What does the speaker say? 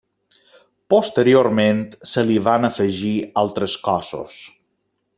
Posteriorment se li van afegir altres cossos.